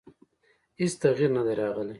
هېڅ تغییر نه دی راغلی.